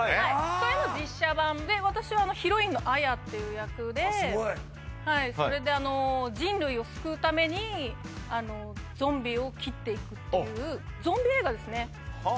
それの実写版で私はヒロインの彩っていう役でああすごいそれで人類を救うためにゾンビを斬っていくっていうゾンビ映画ですねは